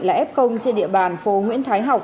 là ép công trên địa bàn phố nguyễn thái học